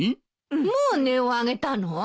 もう音を上げたの？